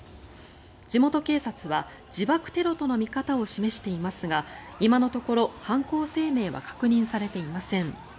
地元警察は自爆テロとの見方を示していますが今のところ犯行声明は確認されていません。